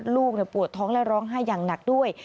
ลูกปวดท้องและร้องไห้อย่างหนักด้วย